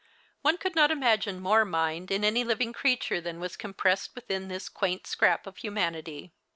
One could not imagine more mind in any living creature than was compressed within this quaint scrap of humanity.